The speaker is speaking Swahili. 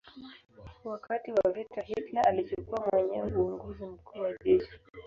Wakati wa vita Hitler alichukua mwenyewe uongozi mkuu wa jeshi.